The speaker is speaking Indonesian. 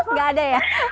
nggak ada ya